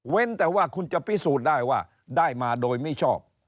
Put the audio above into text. แต่ว่าคุณจะพิสูจน์ได้ว่าได้มาโดยไม่ชอบ